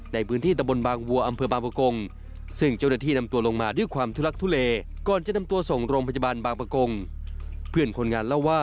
ในพื้นที่ตะบนบางวัวอำเภอบางปกลง